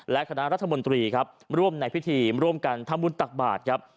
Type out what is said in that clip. และคณะรัฐมนตรีครับร่วมในพิธีร่วมกันทำบุญตักบาทครับ